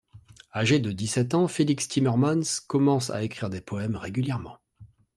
Âgé de dix-sept ans, Félix Timmermans commence à écrire des poèmes régulièrement.